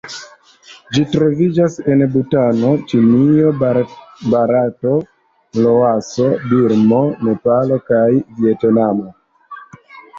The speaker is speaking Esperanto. Ĝi troviĝas en Butano, Ĉinio, Barato, Laoso, Birmo, Nepalo kaj Vjetnamio.